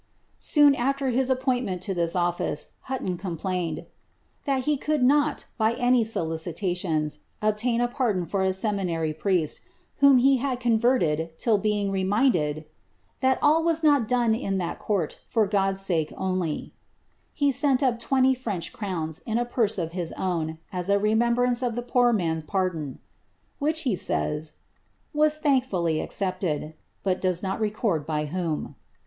Soon after his appointment to ibis olHce, Hulton complained "that lit could nol, by any solicitations, obtain a pardon for a seminary priest, whom he had converted, lill, being rrmijided ' that all was not done in that court for God's sake oidy,' be sent up twenty French crowns in > Eurse of his own, as a remembrance for the poor man's pardon," which. e says, " was thankfully accepted," but docs not record by whom.'